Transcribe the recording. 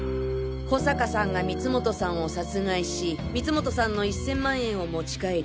保坂さんが光本さんを殺害し光本さんの１０００万円を持ち帰り。